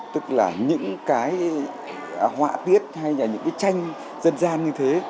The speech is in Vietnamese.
tức là những cái họa tiết hay là những cái tranh dân gian như thế